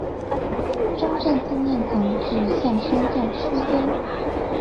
中正紀念堂至象山站區間